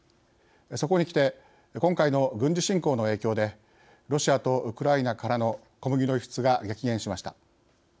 そこにきて今回の軍事侵攻の影響でロシアとウクライナからの小麦の輸出が激減しました。